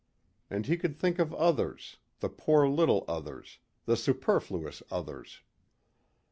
And he could think of others, the poor little others, the superfluous others.